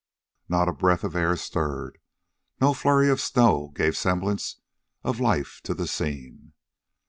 Not a breath of air stirred; no flurry of snow gave semblance of life to the scene.